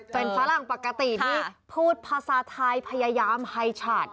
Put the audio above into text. เป็นฝรั่งปกติที่พูดภาษาไทยพยายามไฮฉาด